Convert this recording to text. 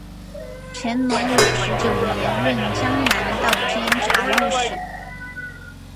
乾隆五十九年任江南道监察御史。